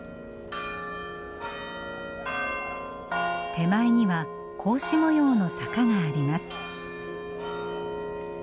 手前には格子模様の坂があります。